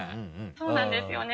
そうなんですよね。